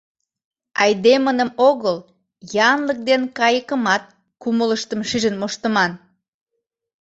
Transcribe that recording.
Айдемыным огыл, янлык ден кайыкымат кумылыштым шижын моштыман.